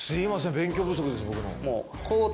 勉強不足です僕の。